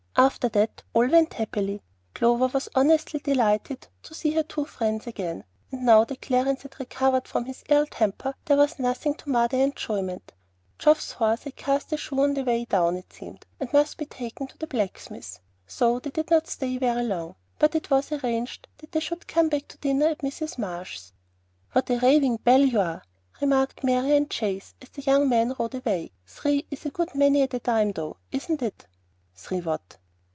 After that all went happily. Clover was honestly delighted to see her two friends again. And now that Clarence had recovered from his ill temper, there was nothing to mar their enjoyment. Geoff's horse had cast a shoe on the way down, it seemed, and must be taken to the blacksmith's, so they did not stay very long; but it was arranged that they should come back to dinner at Mrs. Marsh's. "What a raving belle you are!" remarked Marian Chase, as the young men rode away. "Three is a good many at a time, though, isn't it?" "Three what?"